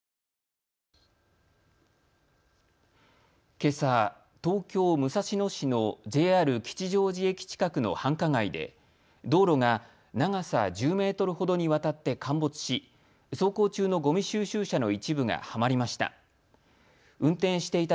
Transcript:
けさ東京武蔵野市のＪＲ吉祥寺駅近くの繁華街で道路が長さ１０メートルほどにわたって陥没し走行中のごみ収集車の一部がはまりました。